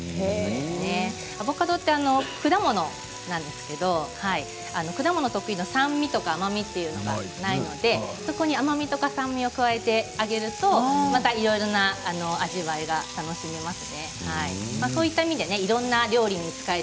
アボカドは果物なんですけれど果物特異の酸味とか甘みというのがないのでそこに甘みや酸味を加えてあげるとまたいろいろな味わいが楽しめます。